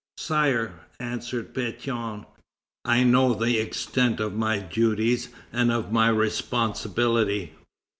"Sire," answered Pétion, "I know the extent of my duties and of my responsibility."